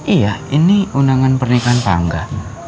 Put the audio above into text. iya ini undangan pernikahan tangga